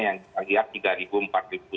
yang di bagian